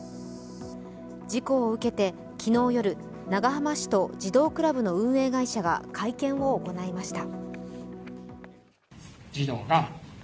事故を受けて昨日夜、長浜市と児童クラブの運営会社が会見を行いました。